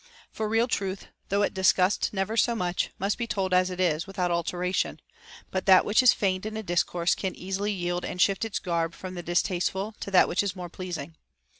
For real truth, though it disgust never so much, must be told as it is, without alteration ; but that which is feigned in a discourse can easily yield and shift its garb from the distasteful to that which is more pleasing.